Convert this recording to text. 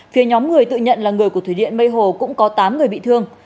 phía nhóm người tự nhận là người của thủy điện mây hồ cũng có tám người bị thương